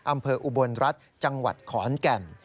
อำเภออุบลรัฐจังหวัดขอนแก่น